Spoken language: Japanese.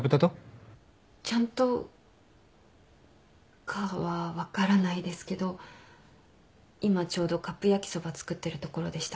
ちゃんとかは分からないですけど今ちょうどカップ焼きそば作ってるところでした。